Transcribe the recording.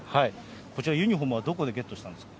こちら、ユニホームはどこでゲットしたんですか。